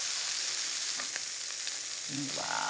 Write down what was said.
うわ